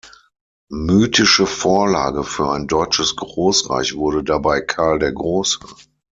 Mythische Vorlage für ein deutsches Großreich wurde dabei Karl der Große.